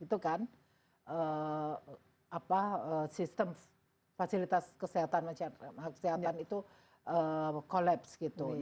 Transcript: itu kan sistem fasilitas kesehatan itu collapse gitu